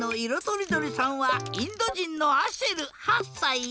とりどりさんはインドじんのアシェル８さい。